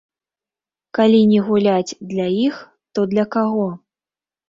Калі не гуляць для іх, то для каго?